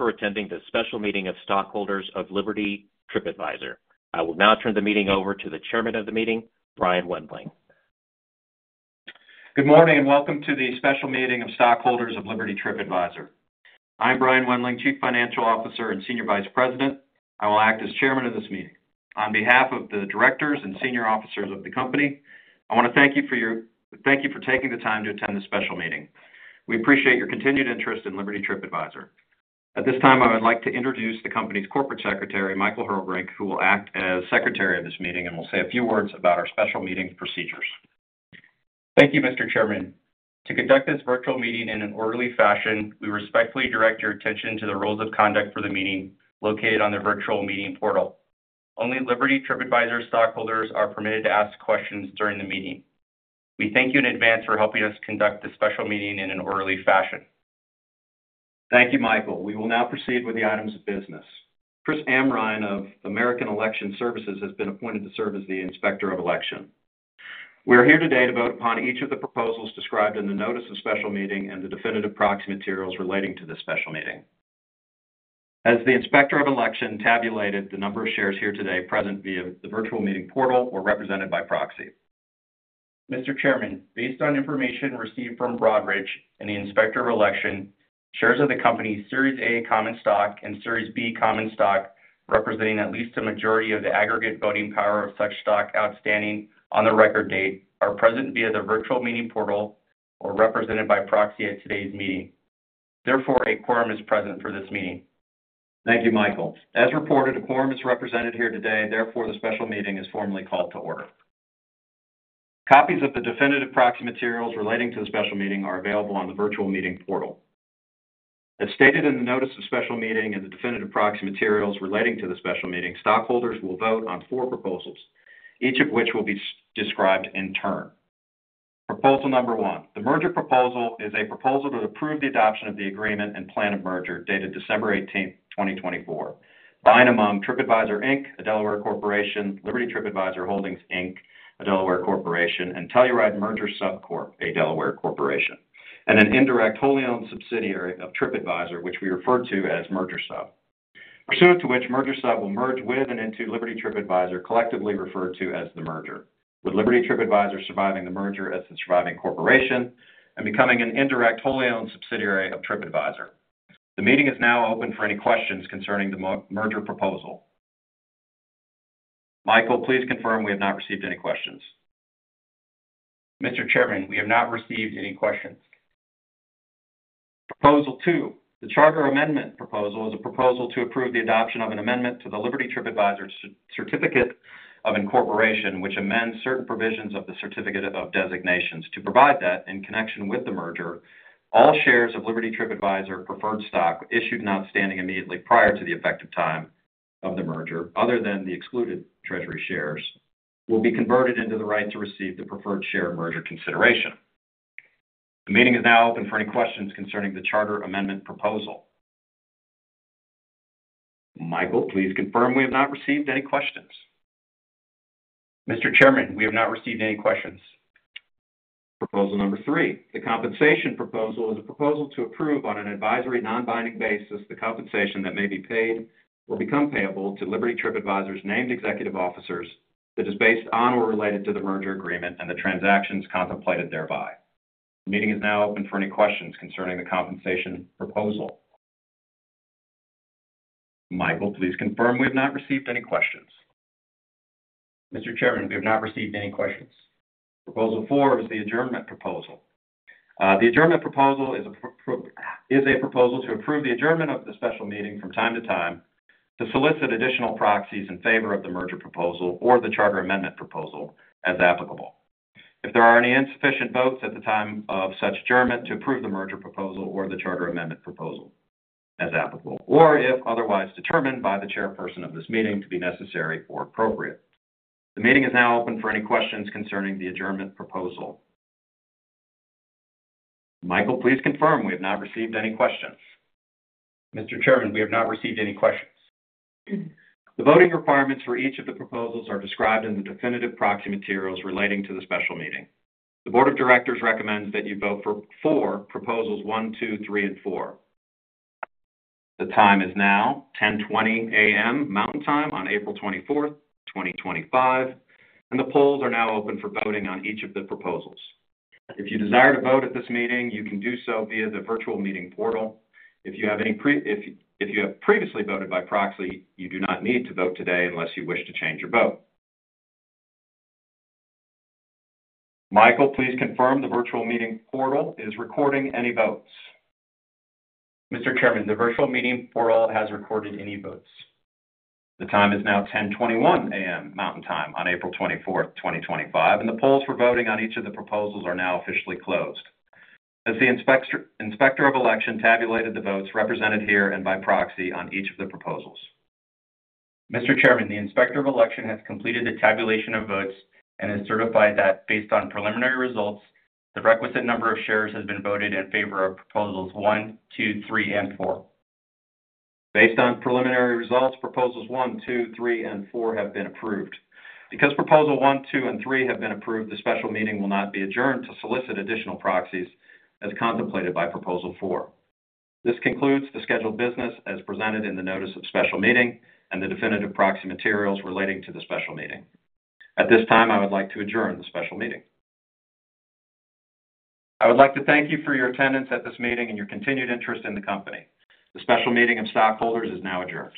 Thank you for attending the special meeting of stockholders of Liberty TripAdvisor. I will now turn the meeting over to the Chairman of the meeting, Brian Wendling. Good morning and welcome to the special meeting of stockholders of Liberty TripAdvisor. I'm Brian Wendling, Chief Financial Officer and Senior Vice President. I will act as Chairman of this meeting. On behalf of the directors and senior officers of the company, I want to thank you for your—thank you for taking the time to attend the special meeting. We appreciate your continued interest in Liberty TripAdvisor. At this time, I would like to introduce the company's Corporate Secretary, Michael Hurelbrink, who will act as Secretary of this meeting and will say a few words about our special meeting procedures. Thank you, Mr. Chairman. To conduct this virtual meeting in an orderly fashion, we respectfully direct your attention to the rules of conduct for the meeting located on the virtual meeting portal. Only Liberty TripAdvisor stockholders are permitted to ask questions during the meeting. We thank you in advance for helping us conduct this special meeting in an orderly fashion. Thank you, Michael. We will now proceed with the items of business. Christopher Mann of American Election Services has been appointed to serve as the Inspector of Election. We are here today to vote upon each of the proposals described in the notice of special meeting and the definitive proxy materials relating to this special meeting. As the Inspector of Election tabulated, the number of shares here today present via the virtual meeting portal were represented by proxy. Mr. Chairman, based on information received from Broadridge and the Inspector of Election, shares of the company's Series A common stock and Series B common stock representing at least a majority of the aggregate voting power of such stock outstanding on the record date are present via the virtual meeting portal or represented by proxy at today's meeting. Therefore, a quorum is present for this meeting. Thank you, Michael. As reported, a quorum is represented here today. Therefore, the special meeting is formally called to order. Copies of the definitive proxy materials relating to the special meeting are available on the virtual meeting portal. As stated in the notice of special meeting and the definitive proxy materials relating to the special meeting, stockholders will vote on four proposals, each of which will be described in turn. Proposal number one, the merger proposal, is a proposal to approve the adoption of the agreement and plan of merger dated December 18th, 2024, by and among TripAdvisor, Inc., a Delaware Corporation, Liberty TripAdvisor Holdings, Inc., a Delaware corporation, and Telluride Merger Sub Corp., a Delaware Corporation and an indirect wholly-owned subsidiary of TripAdvisor, which we refer to as Merger Sub, pursuant to which Merger Sub will merge with and into Liberty TripAdvisor, collectively referred to as the merger, with Liberty TripAdvisor surviving the merger as the surviving corporation and becoming an indirect wholly-owned subsidiary of TripAdvisor. The meeting is now open for any questions concerning the merger proposal. Michael, please confirm we have not received any questions. Mr. Chairman, we have not received any questions. Proposal two, the charter amendment proposal is a proposal to approve the adoption of an amendment to the Liberty TripAdvisor Certificate of Incorporation, which amends certain provisions of the certificate of designations to provide that in connection with the merger, all shares of Liberty TripAdvisor preferred stock issued and outstanding immediately prior to the effective time of the merger, other than the excluded treasury shares, will be converted into the right to receive the preferred share merger consideration. The meeting is now open for any questions concerning the charter amendment proposal. Michael, please confirm we have not received any questions. Mr. Chairman, we have not received any questions. Proposal number three, the compensation proposal is a proposal to approve on an advisory non-binding basis the compensation that may be paid or become payable to Liberty TripAdvisor's named executive officers that is based on or related to the merger agreement and the transactions contemplated thereby. The meeting is now open for any questions concerning the compensation proposal. Michael, please confirm we have not received any questions. Mr. Chairman, we have not received any questions. Proposal four is the adjournment proposal. The adjournment proposal is a proposal to approve the adjournment of the special meeting from time to time to solicit additional proxies in favor of the merger proposal or the charter amendment proposal as applicable. If there are any insufficient votes at the time of such adjournment to approve the merger proposal or the charter amendment proposal as applicable, or if otherwise determined by the chairperson of this meeting to be necessary or appropriate. The meeting is now open for any questions concerning the adjournment proposal. Michael, please confirm we have not received any questions. Mr. Chairman, we have not received any questions. The voting requirements for each of the proposals are described in the definitive proxy materials relating to the special meeting. The board of directors recommends that you vote for four proposals, one, two, three, and four. The time is now 10:20 A.M. Mountain Time on April 24th, 2025, and the polls are now open for voting on each of the proposals. If you desire to vote at this meeting, you can do so via the virtual meeting portal. If you have previously voted by proxy, you do not need to vote today unless you wish to change your vote. Michael, please confirm the virtual meeting portal is recording any votes. Mr. Chairman, the virtual meeting portal has recorded any votes. The time is now 10:21 A.M. Mountain Time on April 24th, 2025, and the polls for voting on each of the proposals are now officially closed. Has the inspector of election tabulated the votes represented here and by proxy on each of the proposals? Mr. Chairman, the inspector of election has completed the tabulation of votes and has certified that based on preliminary results, the requisite number of shares has been voted in favor of proposals one, two, three, and four. Based on preliminary results, proposals one, two, three, and four have been approved. Because proposal one, two, and three have been approved, the special meeting will not be adjourned to solicit additional proxies as contemplated by proposal four. This concludes the scheduled business as presented in the notice of special meeting and the definitive proxy materials relating to the special meeting. At this time, I would like to adjourn the special meeting. I would like to thank you for your attendance at this meeting and your continued interest in the company. The special meeting of stockholders is now adjourned.